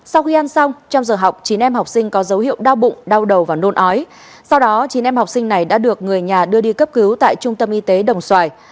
sau khi ăn xong trong giờ học chín em học sinh có dấu hiệu đau bụng đau đầu và nôn ói sau đó chín em học sinh này đã được người nhà đưa đi cấp cứu tại trung tâm y tế đồng xoài